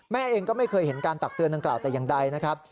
แม่เองก็ไม่เคยเห็นการตักเตือนดังกล่าวแต่อย่างใดนะครับ